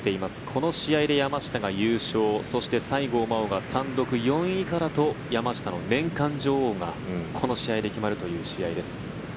この試合で山下が優勝そして西郷真央が単独４位以下だと山下の年間女王がこの試合で決まるという試合です。